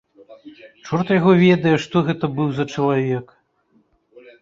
Чорт яго ведае, што гэта быў за чалавек.